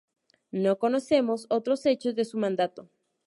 No conocemos otros hechos de su mandato.